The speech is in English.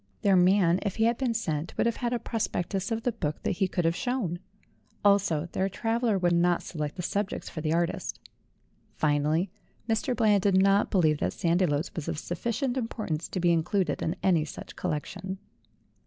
Their man, if he had been sent, would have had a prospectus of the book that he could have shown. Also, their traveller would not select the subjects for the artist. Finally, Mr. Bland did not believe that Sandiloes was of sufficient importance to be included in any such collection.